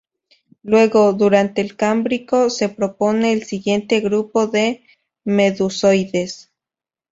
Luego, durante el Cámbrico, se propone el siguiente grupo de medusoidesː